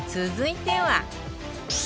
続いては